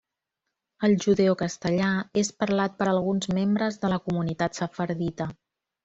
El judeocastellà és parlat per alguns membres de la comunitat sefardita.